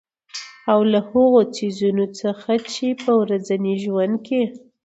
او له هـغو څـيزونه څـخـه چـې په ورځـني ژونـد کـې